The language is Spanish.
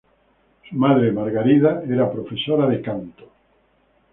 Su madre, Margarida, era profesora de canto.